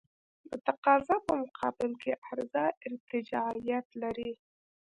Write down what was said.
د تقاضا په مقابل کې عرضه ارتجاعیت لري.